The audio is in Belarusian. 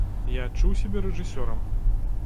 Я адчуў сябе рэжысёрам.